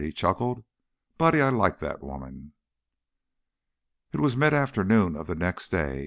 he chuckled. "Buddy, I I like that woman." It was midforenoon of the next day.